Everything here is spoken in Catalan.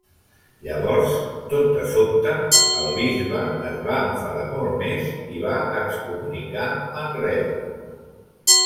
Llavors, tot de sobte, el bisbe es va enfadar molt més i va excomunicar Manresa.